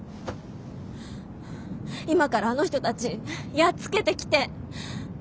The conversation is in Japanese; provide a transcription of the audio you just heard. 今からあの人たちやっつけてきて。